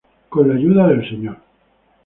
Con la ayuda del "Sr.